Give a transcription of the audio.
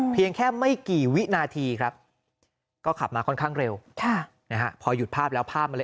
เพียงแค่ไม่กี่วินาทีครับก็ขับมาค่อนข้างเร็วพอหยุดภาพแล้วภาพมันเลย